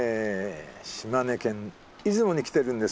島根県出雲に来てるんですがね